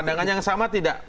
pandangan yang sama tidak